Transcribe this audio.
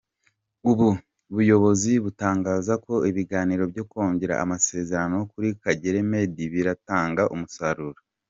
Ubu buyobozi butangaza ko ibiganiro byo kongera amasezerano kuri Kagere Meddie bitaratanga umusaruro.